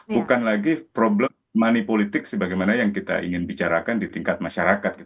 bukan lagi problem money politik sebagaimana yang kita ingin bicarakan di tingkat masyarakat